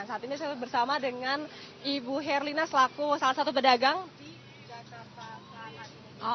saat ini saya bersama dengan ibu herlina selaku salah satu pedagang di jakarta selatan